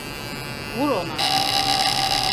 Vur ona!